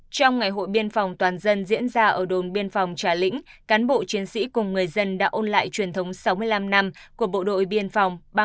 trong ngày hội biên phòng toàn dân diễn ra ở đồn biên phòng trà lĩnh cán bộ chiến sĩ cùng người dân đã ôn lại truyền thống sáu mươi năm năm của bộ đội biên phòng